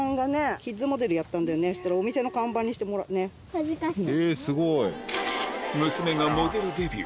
恥ずかしい。